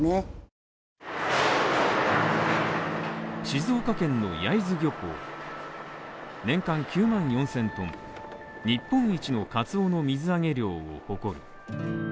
静岡県の焼津漁港年間９万４０００ｔ日本一のカツオの水揚げ量を誇る。